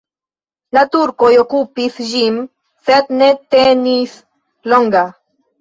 La turkoj okupis ĝin, sed ne tenis longa.